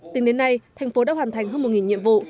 tính đến nay thành phố đã hoàn thành hơn một nhiệm vụ